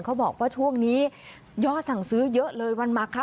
เขาบอกว่าช่วงนี้ยอดสั่งซื้อเยอะเลยวันมาคะ